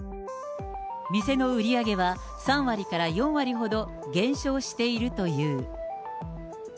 店の売り上げは３割から４割ほど減少しているという。